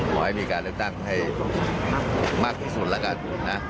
ขอให้มีการเลือกตั้งให้มากที่สุดแล้วกันนะ